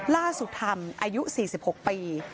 ล่าสุดธรรมอายุ๔๖ปี